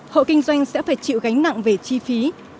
hộ kinh doanh sẽ phải chịu gánh nặng về chi phí